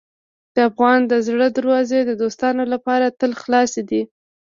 د افغان د زړه دروازې د دوستانو لپاره تل خلاصې دي.